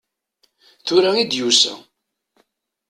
Tura i d-yusa.